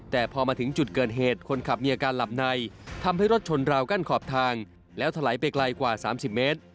แต่พอมาถึงจุดเกิดเหตุคนขับมีอาการหลับในทำให้รถชนราวกั้นขอบทางแล้วถลายไปไกลกว่า๓๐เมตร